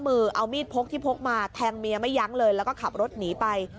มือเอามีดพกที่พกมาแทงเมียไม่ยั้งเลยแล้วก็ขับรถหนีไป